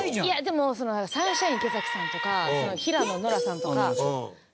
でもサンシャイン池崎さんとか平野ノラさんとか。